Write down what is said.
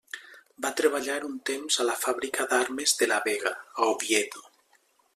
Va treballar un temps a la fàbrica d'armes de la Vega, a Oviedo.